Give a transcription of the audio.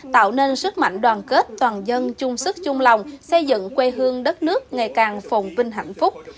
tạo nên sức mạnh đoàn kết toàn dân chung sức chung lòng xây dựng quê hương đất nước ngày càng phồng vinh hạnh phúc